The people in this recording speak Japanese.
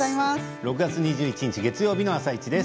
６月２１日月曜日の「あさイチ」です。